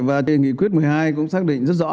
và từ nghị quyết một mươi hai cũng xác định rất rõ